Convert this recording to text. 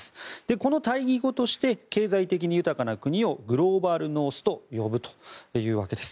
この対義語として経済的に豊かな国をグローバルノースと呼ぶというわけです。